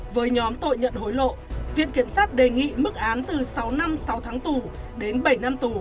với nhóm tội nhận hối lộ viện kiểm sát đề nghị mức án từ sáu năm sáu tháng tù đến bảy năm tù